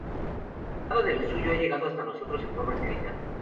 Nada de lo suyo ha llegado hasta nosotros en forma escrita.